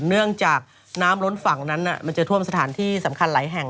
เนื่องจากน้ำล้นฝั่งนั้นมันจะท่วมสถานที่สำคัญหลายแห่ง